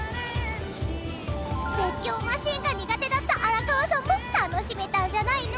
絶叫マシンが苦手だった荒川さんも楽しめたんじゃないの？